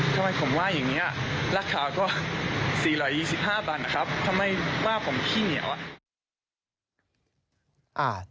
ทำไมผมว่าอย่างนี้ราคาก็๔๒๕บาทนะครับทำไมว่าผมขี้เหนียวอ่ะ